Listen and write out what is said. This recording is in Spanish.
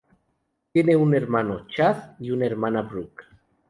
Tiene un hermano, Chad, y una hermana, Brooke.